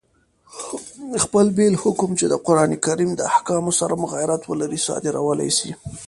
خپل بېل حکم، چي د قرآن کریم د احکامو سره مغایرت ولري، صادرولای سي.